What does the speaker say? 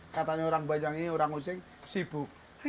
katanya orang bajang ini orang ossing sibuk